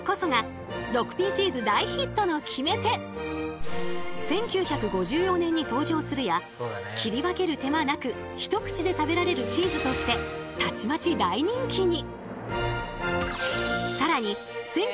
そしてこの１９５４年に登場するや切り分ける手間なく一口で食べられるチーズとしてたちまち大人気に！